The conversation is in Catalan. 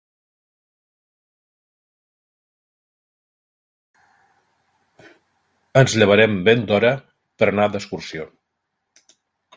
Ens llevarem ben d'hora per anar d'excursió.